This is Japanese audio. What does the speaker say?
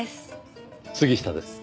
杉下です。